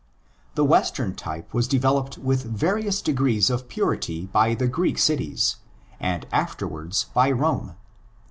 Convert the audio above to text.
The Western type was developed with various degrees of purity by the Greek cities, and afterwards by Rome.